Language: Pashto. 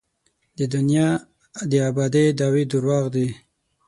د دنیا د ابادۍ دعوې درواغ دي.